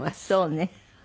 そうね。